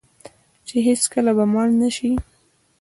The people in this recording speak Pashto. چې هیڅکله به مړ نشي.